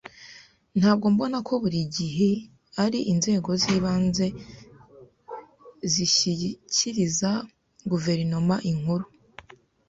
Ntabwo mbona ko buri gihe ari byiza ko inzego z’ibanze zishyikiriza guverinoma nkuru.